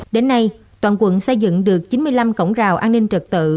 đến nay toàn quận xây dựng được chín mươi năm cổng rào an ninh trật tự